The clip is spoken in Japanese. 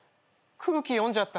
空気読んじゃった？